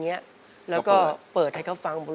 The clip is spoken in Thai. เปรียบความรักที่เหมือนมน